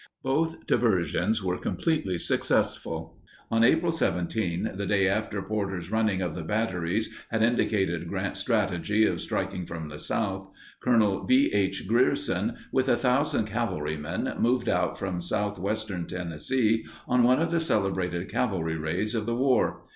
Both diversions were completely successful. On April 17, the day after Porter's running of the batteries had indicated Grant's strategy of striking from the south, Col. B. H. Grierson with 1,000 cavalrymen moved out from southwestern Tennessee on one of the celebrated cavalry raids of the war.